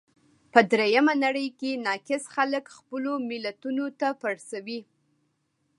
په درېیمه نړۍ کې ناکس خلګ خپلو ملتو ته پړسوي.